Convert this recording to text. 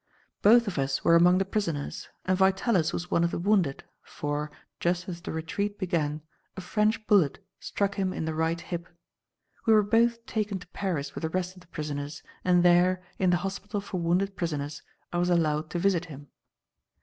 Both of us were among the prisoners, and Vitalis was one of the wounded, for, just as the retreat began, a French bullet struck him in the right hip. We were both taken to Paris with the rest of the prisoners, and there, in the hospital for wounded prisoners, I was allowed to visit him.